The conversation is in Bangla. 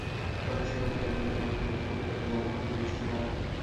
পরে সেখানে তাঁর রুহের মাগফিরাত কামনা করে দোয়া মাহফিল অনুষ্ঠিত হয়।